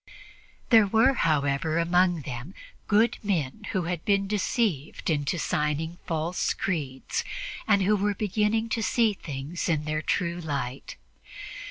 There were, however, among them good men who had been deceived into signing false creeds and who were beginning to see things in their true light.